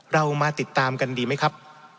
เรามาติดตามกันดีไหมครับ